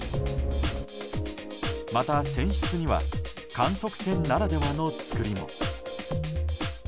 また、船室には観測船ならではのつくりも。